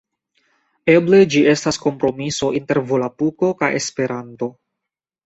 Eble ĝi estas kompromiso inter volapuko kaj Esperanto.